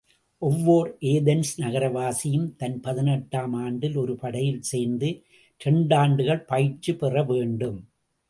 ஒவ்வோர் ஏதென்ஸ் நகரவாசியும் தன் பதினெட்டாம் ஆண்டில் ஒரு படையில் சேர்ந்து, இரண்டாண்டுகள் பயிற்சி பெறவேண்டும்.